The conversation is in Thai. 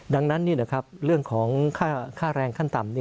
ดังนั้นเรื่องของค่าแรงขั้นต่ำ